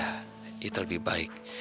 ya itu lebih baik